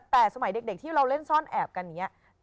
แต่สมัยเด็กที่เราเล่นซ่อนแอบกันอย่างนี้